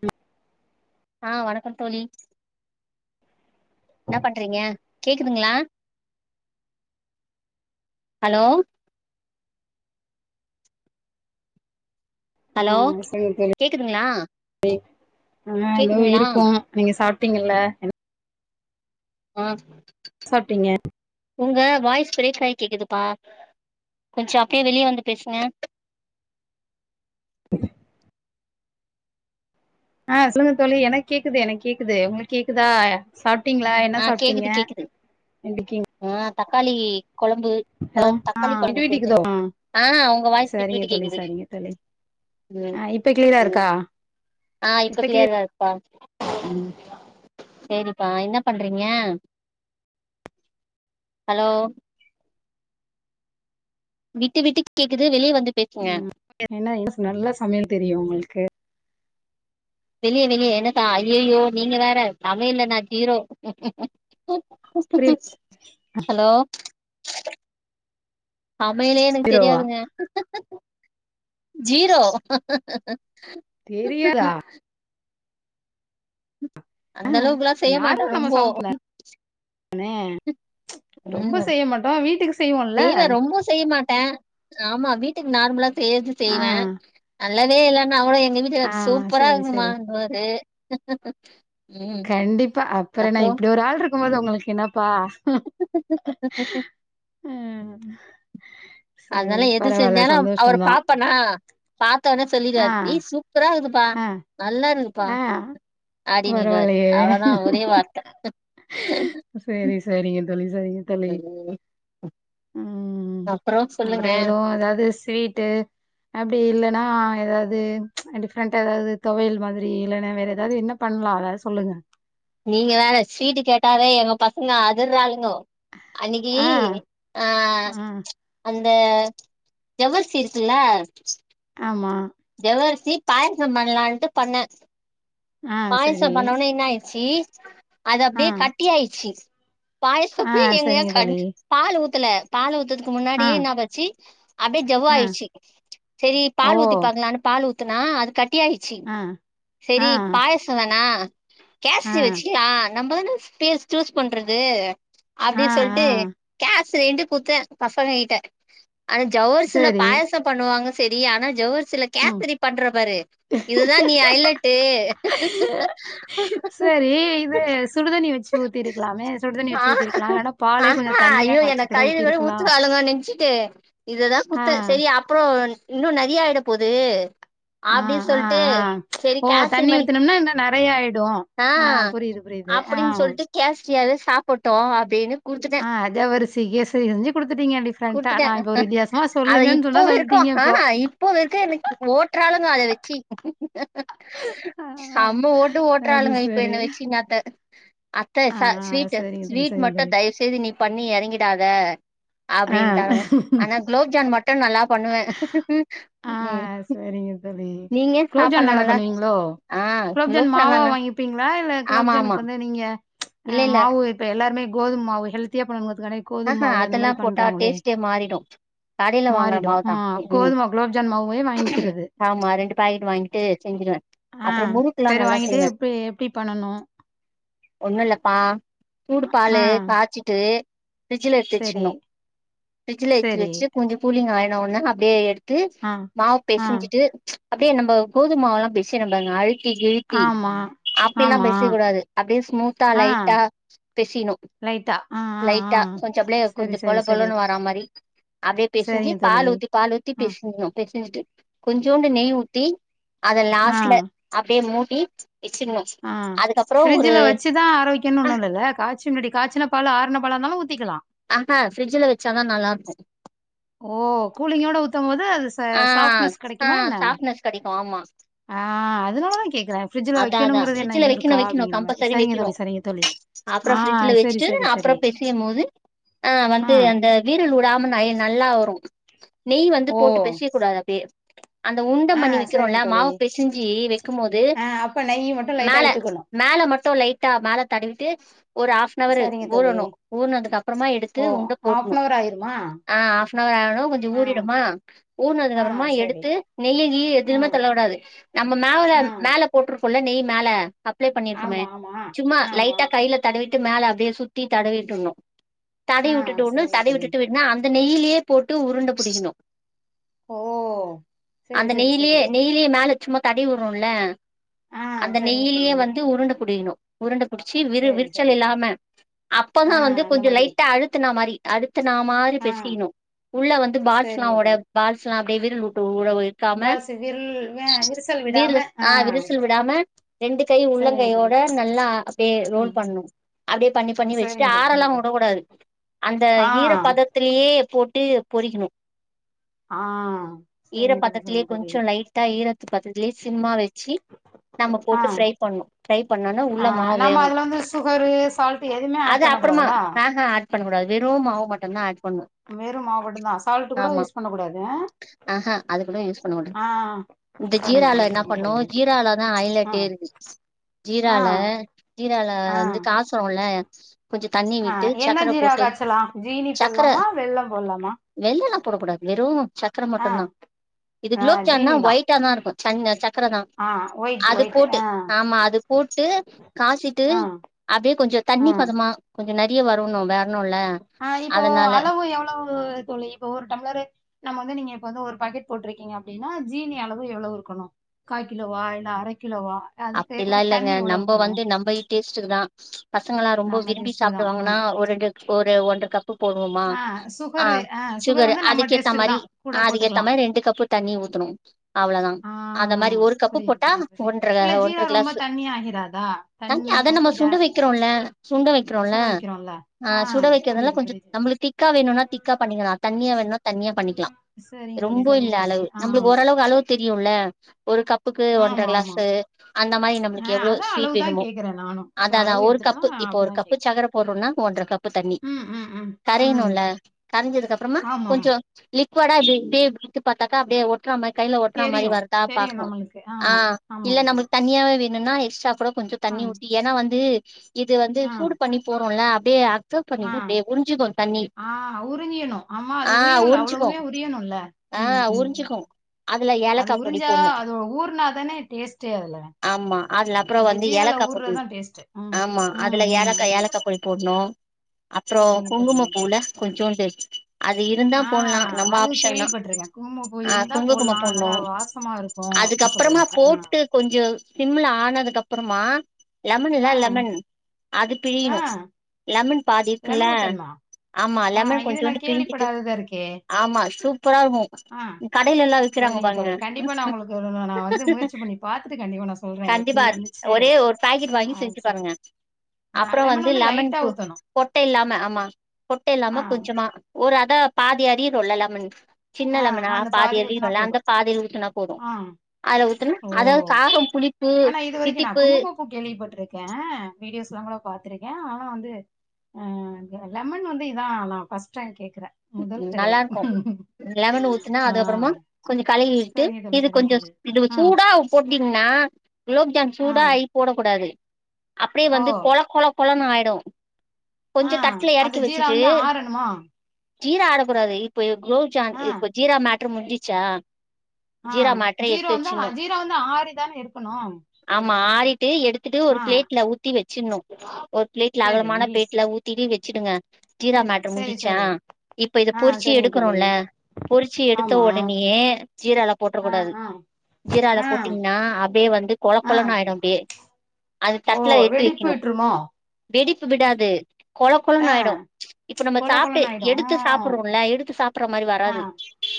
ம் ஆஹ் வணக்கம் தோழி என்ன பண்றீங்க கேக்குதுங்களா ஹலோ ஆ ஹலோ சொல்லுங்க கேக்குதுங்களா ஆஹ் ஏதோ கேக்குதுங்களா இருக்கோ நீங்க சாப் பாத்தீங்கள்ல என உஹ்ம் சாப்டீங்க உங்க வாய்ஸ் பிரேக் ஆயி கேக்குதுப்பா கொஞ்ச அப்டியே வெளிய வந்து பேசுங்க ஆஹா சொல்லுங்க தோழி எனக் கேக்குது எனக் கேக்குது உங்குளுக் கேக்குதா சாப் டீங்களா என்ன ஆ சாப்ட்டீங்க கேக்குது கேக்குது எப்டிகிங் ஆ தக்காளி கொழம்பு த ஆ தக்காளி கொழம்பு விட்டு விட்டு செஞ்சே கேக்குதோ ஆ ஆஹ் உங்க வாய்ஸ்சு விட்டு சரிங்க விட்டு தோழி கேக்குது சரிங்க தோழி ஆ இப்ப கிளியரா இருக்கா ஆஹ் இப்ப கிளீயரா இருக்கு பா ம் சேரிப்பா என்னப் பண்றீங்க ஹலோ விட்டு விட்டுக் கேக்குது வெளிய வந்து பேசுங்க என்ன என்னச் நல்லா சமையல் தெரியு உங்குளுக்கு வெளிய வெளியே என்னக்கா ஐயயோ நீங்க வேற சமையில்ல நா சீரோ புரியல ஹலோ சமையலே எனக்கு ஜீரோவா தெரியாதுங்க ஜீரோ தெரியாத அந்த அளவுக்குல்லா செய்ய மாட்டா ரொம்போ அனே உம் செய்வோல்ல செய்வே ரொம்போ செய்யி மாட்டே ஆம்மா வீட்டுக்கு நார்முல்லா செய்யிரது ஆ செய்வே அ நல்லதே இல்லன் அவுனே ஏ எங்க ஆ வீட்டுக்காரு சூப்பரா சரி இருக்குமா சரி இங்குவாரு கண்டிப்பா அப்புறேன்னா அப்றோ இப்டி ஒரு ஆள் இருக் க்கும்போது உங்களுக் என்னப் பா உஹ்ம் அதுனாலா எது செஞ்சாலு அவ் அவுர சந்தோஷந்தா. பாப்பன்னா பா த்தோன்ன சொல்லீர் ஆ, வாரு ஏய் சூப்புரா இருக்குதுப் ப்பா ஆ, நல்லா இருக்குதுப்பா ஆ அடி நின்ட்வாரு பரவால்லயே! அவ்ளோதா ஒரே வார்த்த தொழி சேரிங்க தோழி ம் உம் அப்றோ சொல்லுங்க அப்புறோ எதோ ஏதாவது ஸ்வீட்டு அப் அப்டி இல்லன்னா ஏதாவுது அடிப் பண்ட ஏதாவது தொவயிக்ஷல் மாதிரி இல்லன்னா வேற ஏதாவது என்ன பண்ணலா எதாது சொல்லுங்க நீங்க வேற ஸ்வீட்டு கேட்டாவே எங்க பசங்க அதிர்றாளுங்கோ அன்னைகி ஆ, ஆஹ் ஆ, அந் இந்த ஜவ்வரிசி இருக்குல்ல ஆமா ஜவ்வரிசி பாயாசோ பண்ணலான்ட்டு பண்ணே ஆ, சரி. பாயசோ பன்னவுடனே என்னா ஆய் சீ அது ஆ, அப்டியே கட்டி ஆய்ரிச்சி ஆ பாயஸப்பி எங்கய சரிங்க தோழி. கன்ட் பால் ஊத் த்துல பால் ஊத்துத் க்கு ஆ, முன்னாடியே நா வச்சு அப்டியே ஆ. ஜவ்வாயிடுச்சு செரி ஓ! பால் ஊத்திப் பால் ஊத்துனா அது கட் ட்டியாச்சி ஆ, ஆ, செரி பாயசோதான ஆ, கேஸ்சு வச்சு ஆ நம்மதான ஸ்பேஸ் சூஸ் பண்றது ஆ, அப்டி சொல்லிட்டு ஆ. கே சேரிண்ட் குத்த பசங்க கிட்ட ஆனா ஜவ்வரிசுல சரி. பாயசோ பண்ணுவாங்க செரி ஆனா ஜவ்வர் சில ம். கேத்ரி பண்ற பாரு இதுதா நீ ஐலட்டு சரி, இது சுடுதண்ணி வச்சு ஊத்திருக்கலாமே! சுடுதண்ணி அ வச்சு ஊத்திருக்கலாம். இல்லன்னா பாலே ஆஹா கொஞ்சம் தண்ணியா ஐயோ காய்ச்சி என்ன கூட கழிவி கழிவி ஊத்திருக்கலாம். ஊத்துவாளுகோ நெனச்சுட்டு இதுதா ஆ, குத்த செரி அப்புறோ இன்னு நறியா எடுப் புது ஆ ஆ ஆ ஓ கேசரி தண்ணி மாரி ஊத்தனும்னா இன்னு நெறைய ஆயிடு ஆ புரியுது புரியுது ஆ ச்சி அது சாப்படோ அப்டின்னு குடுத்துட்டே ஆஹ் ஜவ்வரிசி கேஸிரி செஞ்சு குடுத்துட்டீங்க டிஃப்ரெண்டா குடுத்துட்டே நா இப்ப ஒரு வித்தியாசமா அத சொல்லுங்கனு இப்போ சொன்னா சொல்லிட்டீங்க வரைக்கு இப்போ ஆ வரைக்கு ஓட்றாளுங்க அத வச்சி ஆ, சம்ம ஓட் து அது ஓட்ராளுங்க இப்ப சரி. என்ன வெச்சி இன்னாத அத்த ஆ, ச ஸ்வீட் சரிங்க தோழி, ஸ்வீட் சரிங்க மட்டு தோழி. தயவுசெய்து நீ பண்ணி எறங்கிடாத அப்டின்ட்டாங்க மா ஆ. ஆனா குலோப்ஜான் மட்டு நல்லாப் பண்ணுவே ம் ஆஹ் செரிங்க தோழி நீங்க குலோப்ஜான் சாப்பாட்லா நல்லா பண்ணுவீங்களோ ஆ குலோப்ஜான் குலோப்ஜான்லா மாவா ந வாங்கிப்பீங்களா இல்ல ஆமா ஆமா குலோப்ஜாமுன்க்கு வந்து நீங்க இல்ல ஆஹ் இல்ல மாவு இப்ப எல்லாருமே கோதும் மாவு ஹெல்தியா பண்ணும் போது ஆஹா அதெல்லாபோட்டா டேஸ்ட்டே மாறிடும் கடையில வாங்குர மாறிடும். ஆ மாவு ம் கோதும குலோப்ஜாம் மாவே வாங்கிக்கிறது. ஆமா ரெண்டு பாக்கெட் வாங்கிட்டு செஞ்சுருவே ஆ அப்புறம் முறுக்கெல்லா சரி நல்லா வாங்கிட்டு செய்வே எப்டி எப்டி பண்ணணும்? ஒண்ணுல்லப்பா சூடு ஆ பாலு காச்சிட்டு பிரிட்ஜில எடுத்து சரி, வச்சுக்கணு பிரிட்ஜில எடுத்து சரி. வச்சு கொஞ்சம் கூலிங் ஆ ஒண்ணு அப்டியே எடுத் து ஆ, மாவுப் ஆ. பெசஞ்சிட்டு அப்படியே நம்ம கோதும மாவு எல்லா பெசையுறம் பாருங்க அழுத் ஏ எலுபி ஆமா, அப்டியெல்லா ஆமா. பேசிக்க கூடாது அப்டியே ஸ்மூத்தா ஆ லைட்டா பேசிக்கனு லைட்டா. ஆ, ஆ, லைட் ஆ. ட்டா கொஞ்சோ அப்லே சரி, கொஞ்சோ சரி, பொல சரி. பொலன்னு வாரா மாரி அப்டியே பெசிஞ்சு சரிங்க தோழி. பால் ஊத்தி பால் ஊத்தி ஆ, பெசியனு பெச செஞ்சுடு கொஞ்சோண்டு நெய் ஊத்தி அத லாஸ்ட்ல அப்டியே மூ டீத் அ பிரிட்ஜில வெச்சு தா ஆற வைக்கன்னுனு ஒன்னு இல்ல காச்சுனடி காச்சுன பால ஆர்ன பாலானாலு ஊத்திகலா அக்அ பிரிட்ஜில வெச்சா தா நல்லா இருக்கு ஓ கூலிங் ஓட ஊத்தும் போது ஆ ஃசாப்ட்னஸ் ஆ கெடைக்குமா என்ன சாஃப்ட்னஸ் கெடைக்கு ஆமா அ அதுனால தா கேக்குற அதா அதா ஃபிரிட்ஜ்ல வெக்குணு வெக்குணு மாரி கம்பல்சரி சரிங்க வெக்கிணு தோழி சரிங்க தோழி அப்றோ ஆ ஃபிரிட்ஜ்ல சரி வெச்சுட்டு சரி அப்றோ சரி பெசயும்போது ஆ வந்து அந்த வீரல் விடாம நயன்னால நல்லா வரு நெய் வந்து ஓ போட்டு பெசய கூடாது அப்டியே அந்த உண்ட ஆ மண்ணி வைக்கிறோல்ல சரிங்க தோழி மாவு பெசிஞ்சு வைக்கும் போது ஆ அப்ப நெய் மட்டும் லைட்டா மேல விட்டுக்கணும் மேல மட்டும் லைட்டா மேல தடவ் விட்டு ஒரு ஹாப்னவர்ரு சரிங்க தோழி ஊறணு ஊர்னதுக்கு அப்றமா எடுத்து ஓ உண்ட போட்ணு ஹாஃப்னவர் ஆயிருமா ஆ ஹாப்னவர் ஆணோன்னு கொஞ்சோ ஆ ஊறிடுமா ஊர்னதுக்கு ஆ அப்பறமா சரி எடுத்து நெய்யி கிய்யி ஆ எதுமே தள்ள கூடாது நம்ம மேல ஆ மேல விற்றுக்குள்ள நெய் மேல அப்லே பண்ணியிருக்கோமே ஆமா ஆமா சும்மா ஆமா லைட்டா கையில தடவி ட்டு மேல அப்டியே சுத்தி தடவிட்ருனு தடவி ஆ உட்டுட்டோன்ன சரிங்க தோழி தடவிட்டுட்டு விட்னா அந் இந்த நெய்லியே போட்டு உருண்ட புடிக்கணு ஓ செரி அந்த செரி நெய்லயே செரி நெய்லேயே மேல சும்மா தடி வுறோல ஆ அந்த செரிங்க நெய்லேயே தோழி வந்து உருண்ட புடிக்கணு உருண்ட பிடிச்சி விரு செரி விரிச்சல் செரி இல்லாம அப்பதா ஆ வந்து அந்த கொஞ்சம் மாதிரி லைட்டா அழுத்துன மாரி அது அழுத்துனா மாரி ஆ பெசயணு உள்ள வந்து பால்ஸ்லா ஒட பால்ஸ் நா அப்டியே விருல்வுட்டு பாசி வில் ஆ விரிசல் விடாம விரல் ஆஹ் விரிசல் விடாம ரெண்டு கை உள்ளங்கையோட நல்லா அப்டியே ரோல் ம் பண்ணணும் அப்டியே பண்ணி பண்ணி வச்சுட்டு செரிங்க தோழி செரிங்க ஆறல்லாம் தோழி வுடக்கூடாது அந்த ஆ ஈரப்பதத்திலயே போட்டு பொறிக்கணும் ஆ ஈர செரிங்க தோழி பதத்திலயே செரிங்க தோழி கொஞ்சோ லைட்டா ஈரத்து பத்தத்திலேயே சிம்மா வச்சு நம்ம ஆ போட்டு ஃபரை பண்ணு ஃபரை பண்ணோனா உள்ள ஆ மாவு நம்ம வேவணும் அதுல வந்து சுகரு சால்ட் எதுவுமே ஆட் அது பண்ண அப்புறமா கூடாதா ஆஹ ஆட் பண்ணக்கூடாது வெறும் மாவு மட்டுதா ஆட் பண்ணு வெறும் மாவு மட்டு தான் சால்ட் கூட ஆமா யூஸ் பண்ண கூடாது ஆஹ் ஆஹா அது கூட யூஸ் பண்ண கூடாது ஆஹ் இந்த செரிங்க தோழி‌ செரிங்க தோழி ஜீரால தான் ஆ ஐலேட்டே இருக்கு ஆ ஜீரால ஜீரால ஆ வந்து காசோ [unintelligible] [unintelligible] ஆ என்ன ஜீரா காச்சலாம் ஜீனி சக்கர போட்லாமா வெள்ளம் போட்லாமா வெல்லலா போடக்கூடாது வெறு சக்கர மட்டும்தான் இது ஆ குலோப் ஜான்னா ஜீனி ஒயிட்டா தான் இருக்கும் சங்க சக்கர தான் ஆ ஒயிட் அது ஒயிட் போட்டு ஆ ஆமா அது போட்டு காச்சிட்டு ஆ அப்டியே கொஞ்சோ ஆ தண்ணி பதமா கொஞ்சோ நெறிய வரணு வே ஆ இப்போ அளவு எவ்ளவு தோழி இப்போ ஒரு டம்ளரு நம்ம வந்து நீங்க இப்ப வந்து ஒரு பாக்கெட் போட்டிருக்கீங்க அப்டின்னா ஜீனி அளவு எவ்ளவு இருக்கனு காய் கிலோவா இல்ல அரைக் அப்டிலாம் இல்லங்க நம்ம ஊத்தணும் வந்து நம்ம டேஸ்ட்டுக்கு தான் பசங்கலா ரொம்ப நம்ம விரும்பி டேஸ்ட்டுக்கு தான் ஆ சாப்டுவாங்கன்னா ஒரு ரெண்டு ஒரு ஒன்ற கப்பு போடுவோமா ஆ ஆ சுகரு சுகர் வந்து நம்ம அதுக்கேத்த டேஸ்ட்டுக்கு மாரி தான் கூட அதுக்கேத்த போட்டுக்கலாம் மாரி ரெண்டு கப்பு தண்ணி ஊத்தணும் அவ்ளோதான் ஆ அந்த மாரி ஒரு கப்பு புரியுது போட்டா புரியுது ஒ புரியுது இல்ல ஜீரா ரொம்ப தண்ணி ஆகிறாதா தண்ணி அத ரொம்ப நம்ம ஜா சுண்ட வைக்கிறோல்ல சுண்ட வைக்கிறோல சுட வைக்கிறோம்ல ஆ சுட வைக்கிறதுல புரியுது கொஞ்சோ புரியுது நம்மளுக்கு திக்கா வேணும்னா திக்கா பண்ணிக்கலாம் தண்ணியா வேணும்னா தண்ணியா பண்ணிக்கலாம் சரிங்க தோழி ரொம்போ சரிங்க இல்ல தோழி அளவு ஆ நம்மளுக்கு ஓரளவுக்கு அளவு தெரியும்ல ஒரு கப்புக்கு ஒன்றர ஆமா கிளாஸ் ஆமா [unintelligible] அந்த மாரி ஆ நம்ளுக்கு எவ்ளோ அதா ஸ்வீட் அளவுதா வேனுமோ கேக்குறே நானு இப்ப அதா அதான் அளவு ஒரு கப் எப்டித்தானோ கப்பு இப்போ ஒரு அப்டிதா கப்பு கேக்குறே சக்கர போட்றோனா ஒன்ற கப்பு தண்ணி ம் ம் ம் ம் கரயணுல்ல கரஞ்சதுக் அப்றமா ஆமா ஆமா கொஞ்சோ லிக் க்கோடா இப்டி இப்டி இலுத்து பாத்தாக்கா அப்டியே ஒட் ஒட்ற மாறி கைல ஒட்றா மாறி தெரியு வர்தா தெரியு பாக்ணு நம்மளுக்கு ஆ ஆமா ஆமா இல்ல ஆமா நம்ளுக் தண்ணியாவே வேணுன்னா எக்ஸ்ட்டா கூடோ கொஞ்ச ஆ தண்ணி ஊத்தி ஏனா வந்து [inaudible] இது வந்து சூடு பண்ணி போறோல டே ஆக் ஆ ஆ உறியணு ஆமா அது ஆ உறியணுல உறிஞ்சுக்கு அவ்ளவுமே உறியணுல்ல ஆ ம் ம் ம் உறிஞ்சுக்கு அதுல அது ஏலக்கா பொடி உறிஞ்சா போடணு அது ஊர்னாதானே டேஸ்ட்டே அதுல ஆமா அதுல அப்புறோ அந்த வந்து ஜீரால ஏலக்கா போட்ணு ஊர்றதுதா டேஸ்ட்டு ம் ஆமா ம் அதுல ம் ஏலக்கா ம் ஏலக்கா பொடி போட்ணூ அப்புறோ சரிங்க தோழி குங்குமப்பூ ல கொஞ் சோன்டு ஆ அது கேள்விப்பட்ருக்க குங்மப்பூ ஆ இருந்தா குங்கும போட்லாம் போட்ணு நல்லா வாசமாருக்கும் அப்டின் அதுக்கப்புறமா சொல்லுவாங்க போட்டு ஆ கொஞ்சோ சிம்ல ஆனதுக்கப் ப்றம்மா லெமன் ஆ இல்ல லெமன் அது ஆ பிழியிணூ லெமன் பாதி லெமன் இருக்குல்லா ஊத்தணுமா ஆமா ஆ லெமென் இது நா கொஞ்சோண்டு பிழிஞ்சிட்டு கேள்விப்படாததா இருக்கே ஆமா ஆ சூப்பராருக்கும் கடைலல்லாம் விக்குறாங்க சரிங்க பாருங்க தோழி கண்டிப்பா நா உங்களுக்கு நா வந்து முயற்சி பண்ணி பாத்துட்டு கண்டிப்பா நா சொல்றே எப்டி கண்டிப்பா இருதச்சு ஒரே ஒரு பாக்கெட் வாங்கி செஞ்சு பாருங்க ஆ லெமன் வந்து லைட்டா ஊத்தனு ட்ட இல்லாம ஆமா கொட்ட இல்லாம கொஞ்சமா ஒரு அ பாதி அரியிரோல்ல லெமன் சின்ன ஆ லெமன்னா அந்த பாதி ஊத்துனா அரிரோம்ல போது அந்த பாதி ஊத்துனா போது ஆ அத்ல ஊத்தணு ஓ அதாது காரம் புளிப்பூ ஆனா இது வரைக்கு நா தித்திப்பூ குங்குமப்பூ கேள்விப்பட்டிருக்கே வீடியோஸ்லா கூட பாத்ருக்கே ஆனா வந்து ஆ லெமன் வந்து இதா நா ஃபஸ் டைம் கேக் குற முதல் தடவை நல்லா இருக்கு லெமன் ஊத்துனா ஆ அது அப்றமா கொஞ்ச கா ட்டு சரிங்க தோழி இது சரிங்க கொஞ்சோ தோழி இது ஆ சூடா போட்டீங்ன்னா குலோப்ஜாம் ஆ சூடா ஆகி போடக்க கூடாது அப்டியே ஓ வந்து கொழ கொழ கொழனு ஆய்டு ஆ அந்த ஜீரா வந்து ஆறணுமா ஜீரா ஆரக்கூடாது இப்ப குலோப்ஜான் இப்போ ஜீரா மேட் மேட்ரு முஞ்சிசா ஆஹ் ஜீரா வந்தா ஜீரா வந்தா ஆரிதானே இருக்கணு டு எடுத்துட்டு ஒரு பிளேட்ல ஊத்தி வச் சின்னு ஒரு ப்ளேட்ல சரி அகலமான ஊத்திடே வச்சுடுங்க ஜீரா சரி மேட்டர் சரி முஞ்சிச்சா சரி இப்ப இத ஆ பொறிச்சி சரிங்க தோழி எடுக்கறோல பொறிச்சி எடுத்த ஆமா ஒடனியே ஜீரால போட்டுர ஆ கூடாது ஆ ஜீரால ஆ போட்டீங்ன்னா அப்டியே வந்து கொழ ஆ கொழனு ஆயிடு அப்டியே அது ஓ தட்டுல எடுத்து வெடிப்பு வக்கிணு விட்டுருமோ வெடி விடாது து கொழ கொழனு ஆ ஆய்டு இப்ப நம்ம கொல சாப்ட்டு கொலன்னு ஆயிடும் ஆ எடுத்து சாப்டுறோம்ல எடுத்து சாபுட்ற மாரி ஆ வராது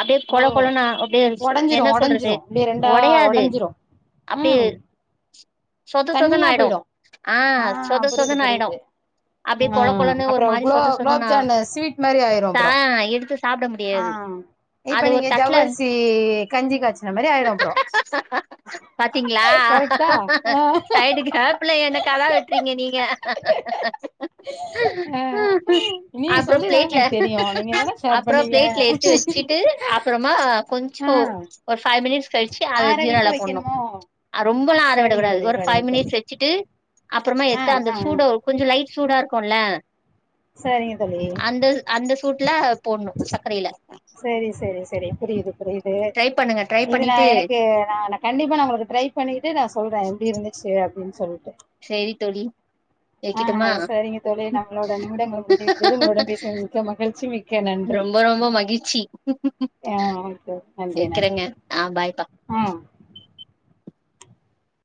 அப்டியே ஓ கொழ கொழனு அப்டியே என்ன உடஞ்சிரும் சொல்றது உடஞ்சிரும் இப்படியே ரெண்டா ஒடையாது உடஞ்சிரும் அப்டியே ம் சொத சொதன்னு தண்ணியா ஆய்டு போயிடும் ஆஹ் சொத சொதன்னு ஆய்டு ஆஹ் அப்ரோ குலோ சொதனா குலோப்ஜாமுன் ஸ்வீட் மாரி ஆய்ரு தா அப்ரோ எடுத்து சாப்ட முடியாது ஆஹ் இப்ப அது ஒரு நீங்க தட்ல ஜவ்வரிசி கஞ்சி காச்சின மாரி ஆய்ரு அப்ரோ பாத்தீங்களா கரெக்ட்டா சைடு கேப்ல என்ன கெடா வெட்டுறீங்க நீங்க ஆ ஹ ஹ ஹ ஹ நீங்க அப்ரோ சொல்லிதானே பிளேட்ல எனக்கு தெரியும் நீங்க தானே ஷேர் அப்ரோ பண்ணீங்க பிளேட்ல எச்சு வச்சுட்டு அப்ரோமா ஆ கொஞ்சம் ஒரு ஃபைவ் மினிட்ஸ் கழிச்சு அத ஆற விட்டு ஜீராலா போட்னு வைக்கணுமோ ரொம்போலா ஆர விடக் சரிங்க கூடாது தோழி ஒரு சரிங்க ஃபைவ் தோழி மினிட்ஸ் வச்சுட்டு அப்ரோமா ஆ எட்த்து அந்த ஆ ஆ சூட கொஞ்சோ லைட் இருக்குல சரிங்க தோழி அந்த அந்த சூட்ல போட்ணு சக்கரைல சேரி சேரி சேரி புரியுது புரியுது ட்ரை பண்ணுங்க ட்ரை இது நா பண்ணிட்டு எனக்கு நா நா கண்டிப்பா நா உங்ளுக்கு ட்ரை பண்ணிட்டு நா சொல்றே எப்டி இருந்துச்சு அப்டின்னு சொல்ட்டு சரி தோழி ஆஹ் வைக்கட்டுமா சரிங்க தோழி நம்மளோட நிமிடங்கள் முடிந்துவிட்டது உங்களுடன் பேசியது மிக்க மகிழ்ச்சி மிக்க நன்றி ரொம்ப ரொம்ப மகிழ்ச்சி ஆஹ் நன்றி வைக்கிறேங்க நன்றி ஆ பாய் ஆஹ்